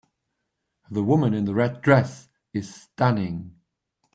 The woman in the red dress is stunning.